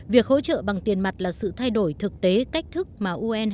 việc hỗ trợ bằng tiền mặt là sự thay đổi thực tế cách thức mà un